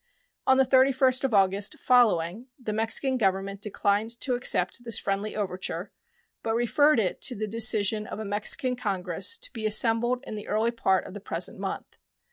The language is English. On the 31st of August following the Mexican Government declined to accept this friendly overture, but referred it to the decision of a Mexican Congress to be assembled in the early part of the present month.